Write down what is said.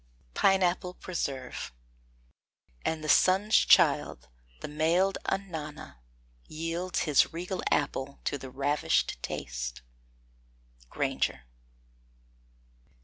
PINEAPPLE PRESERVE. And the sun's child, the mail'd anana, yields His regal apple to the ravish'd taste. GRAINGER.